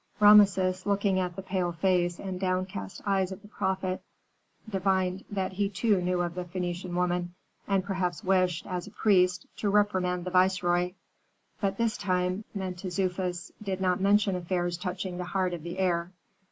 Rameses, looking at the pale face and downcast eyes of the prophet, divined that he too knew of the Phœnician woman, and perhaps wished, as a priest, to reprimand the viceroy. But this time Mentezufis did not mention affairs touching the heart of the heir.